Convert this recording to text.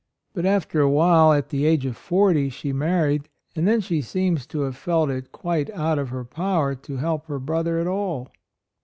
But after a while, at the age of forty, she married, and then she seems to have felt it quite out of her power to help her brother at all.